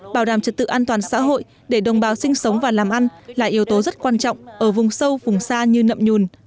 bảo đảm trật tự an toàn xã hội để đồng bào sinh sống và làm ăn là yếu tố rất quan trọng ở vùng sâu vùng xa như nậm nhùn